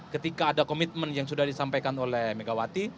ketika ada komitmen yang sudah disampaikan oleh megawati